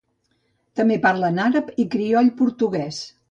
També parlen àrab i crioll portuguès.